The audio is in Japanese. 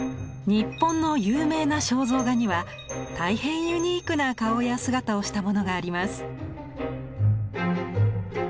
日本の有名な肖像画には大変ユニークな顔や姿をしたものがあります。